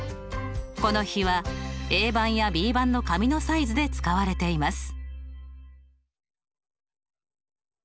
この比はＡ判やＢ判の紙のサイズで使われています。